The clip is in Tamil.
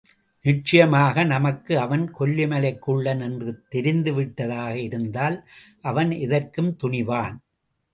நிச்சயமாக நமக்கு அவன் கொல்லிமலைக் குள்ளன் என்று தெரிந்துவிட்டதாக இருந்தால் அவன் எதற்கும் துணிவான்!